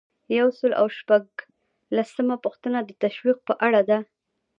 یو سل او شپږلسمه پوښتنه د تشویق په اړه ده.